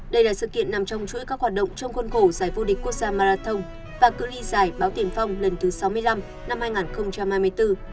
đây là sự kiện nằm trong chuỗi các hoạt động trong khuôn khổ giải vô địch quốc gia marathon và cự li giải báo tiền phong lần thứ sáu mươi năm năm hai nghìn hai mươi bốn